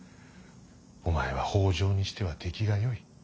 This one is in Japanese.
お前は北条にしては出来がよい。